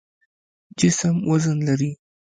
جسم وزن لري.